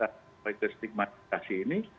dan stigmatisasi ini